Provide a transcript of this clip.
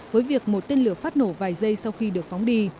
với việc một tên lửa phát nổ vài giây sau khi được phóng đi